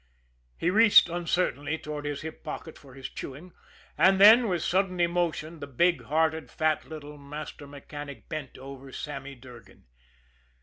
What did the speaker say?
He reached uncertainly toward his hip pocket for his chewing and then, with sudden emotion, the big hearted, fat, little master mechanic bent over Sammy Durgan.